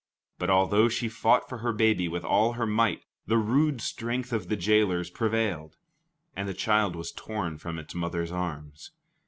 But although she fought for her baby with all her might, the rude strength of the jailers prevailed, and the child was torn from its mother's arms.